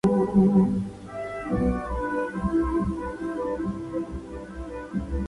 A continuación se listan las empresas que cotizan en la Bolsa de Helsinki.